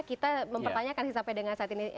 kita mempertanyakan sih sampai dengan saat ini